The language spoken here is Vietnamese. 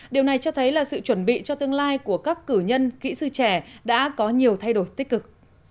điều này cho thấy là sự chuẩn bị cho tương lai của các cử nhân kỹ sư trẻ đã có nhiều thay đổi tích cực